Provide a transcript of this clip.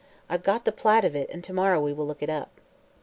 I've got the plat of it and to morrow we will look it up."